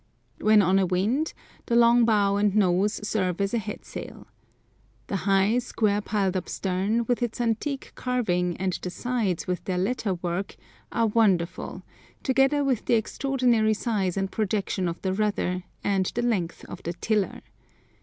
When on a wind the long bow and nose serve as a head sail. The high, square, piled up stern, with its antique carving, and the sides with their lattice work, are wonderful, together with the extraordinary size and projection of the rudder, and the length of the tiller.